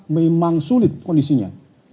memang sulit kondisinya